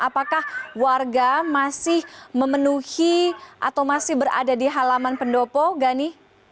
apakah warga masih memenuhi atau masih berada di halaman pendopo gani